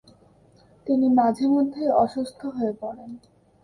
তিনি মাঝেমধ্যেই অসুস্থ হয়ে পড়তেন।